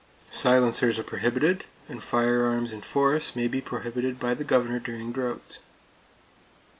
Silencers are prohibited, and firearms in forests may be prohibited by the Governor during droughts.